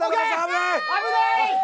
危ない！